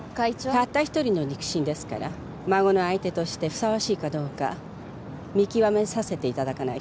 たった１人の肉親ですから孫の相手としてふさわしいかどうか見極めさせていただかないと。